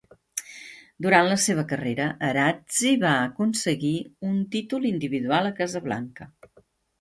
Durant la seva carrera, Arazi va aconseguir un títol individual a Casablanca.